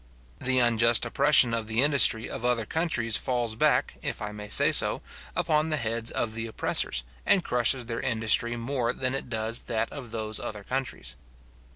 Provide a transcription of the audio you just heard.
The unjust oppression of the industry of other countries falls back, if I may say so, upon the heads of the oppressors, and crushes their industry more than it does that of those other countries.